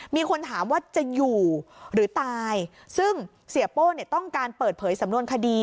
มีคนถามว่าจะอยู่หรือตายซึ่งเสียโป้เนี่ยต้องการเปิดเผยสำนวนคดี